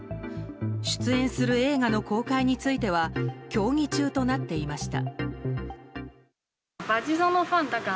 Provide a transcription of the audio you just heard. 出演する映画の公開については協議中となっていました。